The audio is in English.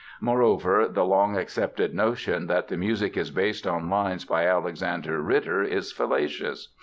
Moreover the long accepted notion, that the music is based on lines by Alexander Ritter, is fallacious.